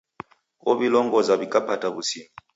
Ow'ilongoza w'ikapata w'usimi.